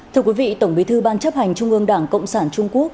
thưa quý vị tổng bí thư ban chấp hành trung ương đảng cộng sản trung quốc